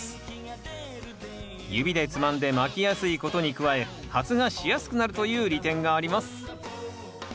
指でつまんでまきやすいことに加え発芽しやすくなるという利点があります。